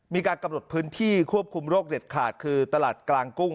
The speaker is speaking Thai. มีการกำหนดพื้นที่ควบคุมโรคเด็ดขาดคือตลาดกลางกุ้ง